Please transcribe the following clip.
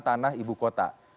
tanah ibu kota